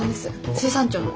水産庁の。